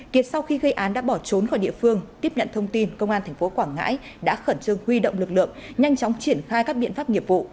kiệt sau khi gây án đã bỏ trốn khỏi địa phương tiếp nhận thông tin công an tp quảng ngãi đã khẩn trương huy động lực lượng nhanh chóng triển khai các biện pháp nghiệp vụ